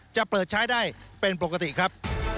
จะเปิดใช้ได้เป็นปกติครับ